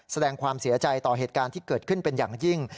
แสดงความเสียใจต่อเหตุการณ์ที่เกิดขึ้นเป็นอย่างยิ่ง